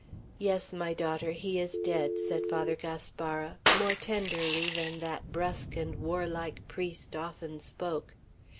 "Yes, my daughter, he is dead," said Father Gaspara, more tenderly than that brusque and warlike priest often spoke.